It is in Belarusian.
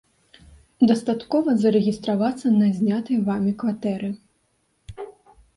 Дастаткова зарэгістравацца на знятай вамі кватэры.